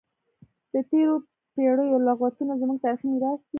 د تیرو پیړیو لغتونه زموږ تاریخي میراث دی.